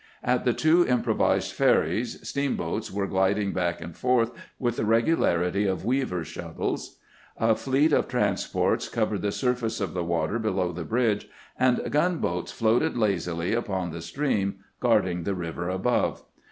At the two improvised ferries steamboats were gliding back and forth with the regularity of weavers' shuttles. A fleet of transports covered the surface of the water below the bridge, and gunboats floated lazily upon the stream, guarding the river above.